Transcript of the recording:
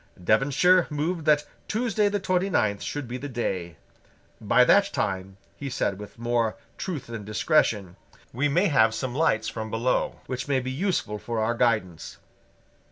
Devonshire moved that Tuesday the twenty ninth should be the day. "By that time," he said with more truth than discretion, "we may have some lights from below which may be useful for our guidance."